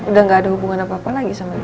udah gak ada hubungan apa apa lagi sama dia